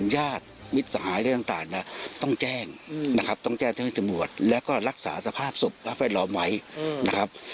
ใครต้องทำอะไรนะครับ